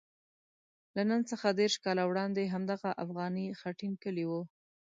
له نن څخه دېرش کاله وړاندې همدغه افغاني خټین کلی وو.